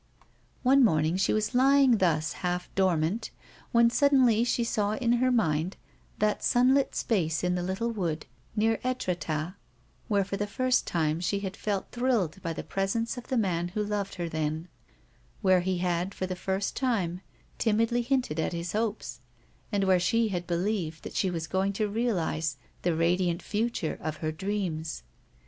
One morning she was lying thus half dormant, when suddenly she saw in her mind that sunlit space in the little wood near l&tretat where for the first time she had felt thrilled by the presence of the man who loved her then, (vhere he had for the first time timidly hinted at his hopes, and where she had believed that she was going to realise the radiant future of her dreams.